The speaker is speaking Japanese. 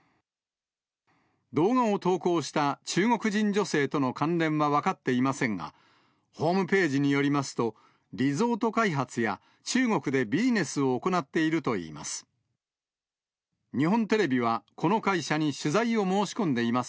動画を投稿した中国人女性との関連は分かっていませんが、ホームページによりますと、リゾート開発や、中国でビジネスを行っているといいます。